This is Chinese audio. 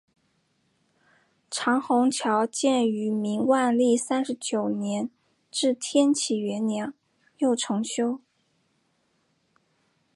长虹桥建于明万历三十九年至天启元年又重修。